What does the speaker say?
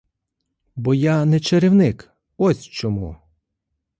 Бо я не чарівник — ось чому!